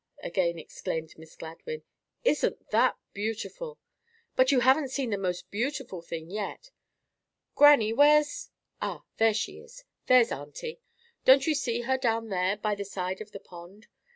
again exclaimed Miss Gladwyn; "isn't that beautiful? But you haven't seen the most beautiful thing yet. Grannie, where's—ah! there she is! There's auntie! Don't you see her down there, by the side of the pond?